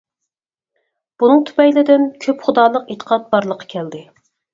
بۇنىڭ تۈپەيلىدىن، كۆپ خۇدالىق ئېتىقاد بارلىققا كەلدى.